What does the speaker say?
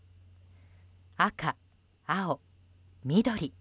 赤、青、緑。